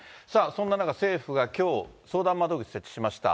そんな中、政府がきょう、相談窓口、設置しました。